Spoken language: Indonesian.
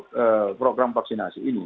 untuk program vaksinasi ini